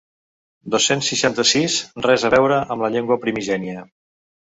Dos-cents setanta-sis res a veure amb la llengua primigènia.